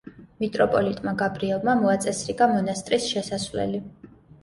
მიტროპოლიტმა გაბრიელმა მოაწესრიგა მონასტრის შესასვლელი.